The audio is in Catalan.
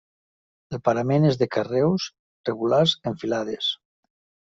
El parament és de carreus regulars en filades.